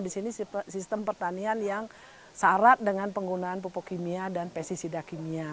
di sini sistem pertanian yang syarat dengan penggunaan pupuk kimia dan pesticida kimia